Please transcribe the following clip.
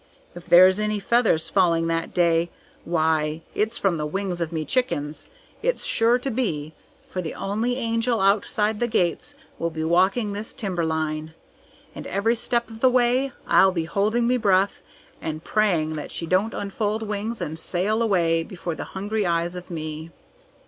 If there's any feathers falling that day, why, it's from the wings of me chickens it's sure to be, for the only Angel outside the gates will be walking this timberline, and every step of the way I'll be holding me breath and praying that she don't unfold wings and sail away before the hungry eyes of me."